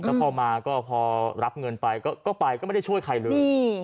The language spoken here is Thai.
แล้วพอมาก็พอรับเงินไปก็ไปก็ไม่ได้ช่วยใครเลย